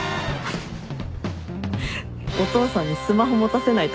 お父さんにスマホ持たせないと。